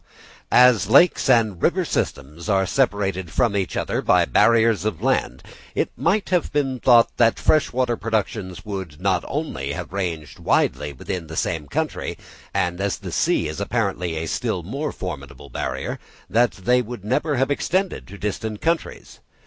_ As lakes and river systems are separated from each other by barriers of land, it might have been thought that fresh water productions would not have ranged widely within the same country, and as the sea is apparently a still more formidable barrier, that they would never have extended to distant countries.